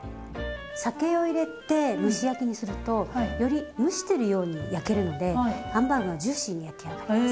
酒を入れて蒸し焼きにするとより蒸してるように焼けるのでハンバーグがジューシーに焼き上がります。